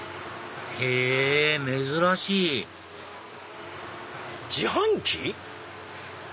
へぇ珍しい自販機？